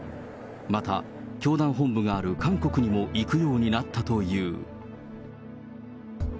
また教団本部がある韓国にも行くようになったという。